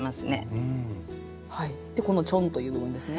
でこのちょんという部分ですね。